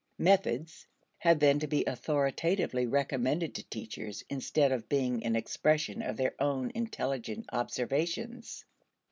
"Methods" have then to be authoritatively recommended to teachers, instead of being an expression of their own intelligent observations.